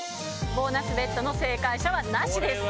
ボーナスＢＥＴの正解者はなしです。